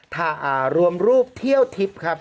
ถ่าอ่ารวมรูปเที่ยวทิพย์ครับ